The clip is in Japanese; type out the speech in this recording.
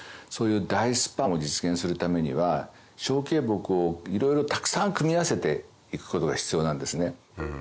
そういう大スパンを実現するためには小径木をいろいろたくさん組み合わせて行くことが必要なんですね。